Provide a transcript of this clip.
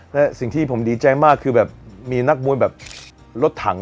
และสิ่งที่ผมดีใจมากคือแบบมีนักมวยแบบรถถัง